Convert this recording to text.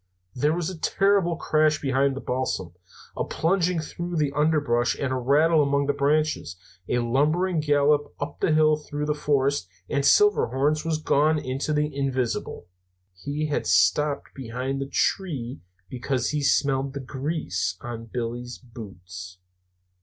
There was a terrible crash behind the balsam, a plunging through the underbrush and a rattling among the branches, a lumbering gallop up the hill through the forest, and Silverhorns was gone into the invisible. "He had stopped behind the tree because he smelled the grease on Billy's boots.